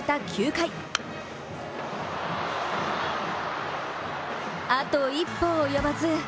９回あと一歩及ばず。